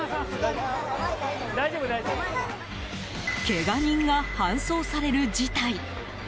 けが人が搬送される事態。